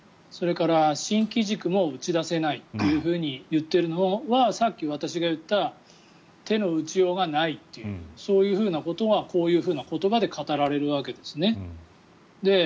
それから新機軸も打ち出せないと言っているのはさっき私が言った手の打ちようがないっていうそういうことがこういう言葉で語られるわけですね。